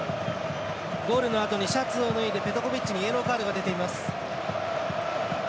ゴールのあとにシャツを脱いでペトコビッチにイエローカードが出ています。